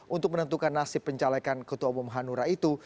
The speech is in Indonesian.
untuk menentukan nasib pencalekan ketua umum hanura itu